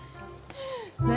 何？